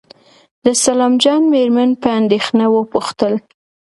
د سلام جان مېرمن په اندېښنه وپوښتل.